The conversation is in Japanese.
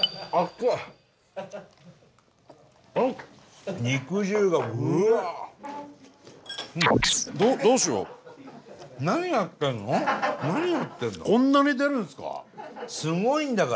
こんなに出るんすか？